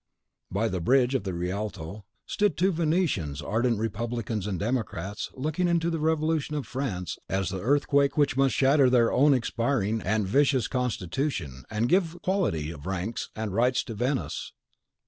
.... By the bridge of the Rialto stood two Venetians ardent Republicans and Democrats looking to the Revolution of France as the earthquake which must shatter their own expiring and vicious constitution, and give equality of ranks and rights to Venice.